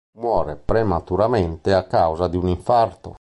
Muore prematuramente a causa di un infarto.